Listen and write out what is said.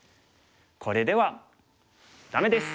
これではダメです。